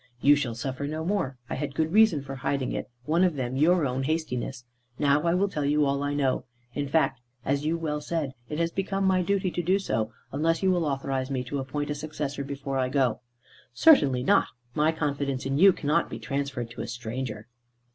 "You shall suffer no more. I had good reasons for hiding it, one of them your own hastiness. Now I will tell you all I know. In fact, as you well said, it has become my duty to do so, unless you will authorise me to appoint a successor before I go." "Certainly not. My confidence in you cannot be transferred to a stranger."